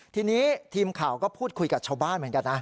ทีนี้ทีมข่าวก็พูดคุยกับชาวบ้านเหมือนกันนะ